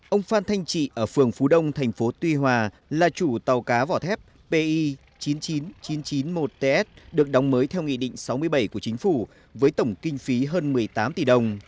ông phan thanh trị ở phường phú đông thành phố tuy hòa là chủ tàu cá vỏ thép pi chín mươi chín nghìn chín trăm chín mươi một ts được đóng mới theo nghị định sáu mươi bảy của chính phủ với tổng kinh phí hơn một mươi tám tỷ đồng